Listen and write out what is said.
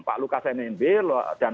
pak lukas nmb dan